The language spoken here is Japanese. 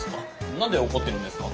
何で怒ってるんですか？